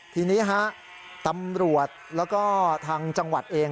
ทีนี้ฮะตำรวจแล้วก็ทางจังหวัดเอง